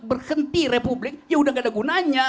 berhenti republik ya udah gak ada gunanya